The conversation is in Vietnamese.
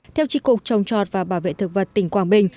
theo trị cục trồng trọt và bảo vệ thực vật tỉnh quảng bình